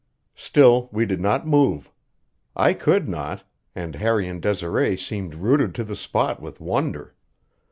Still we did not move. I could not, and Harry and Desiree seemed rooted to the spot with wonder.